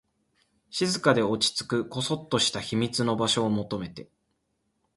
静かで、落ち着く、こそっとした秘密の場所を求めて